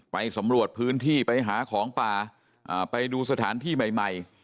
ไปสำรวจพื้นที่ไปหาของป่าไปดูสถานที่ใหม่